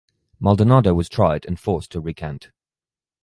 Maldonado was tried and forced to recant.